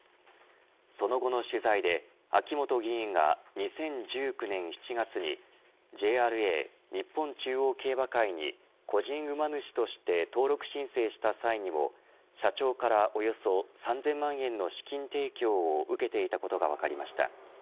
その後の取材で秋本議員が２０１９年７月にＪＲＡ＝日本中央競馬会に個人馬主として登録申請した際にも社長からおよそ３０００万円の資金提供を受けていたことが分かりました。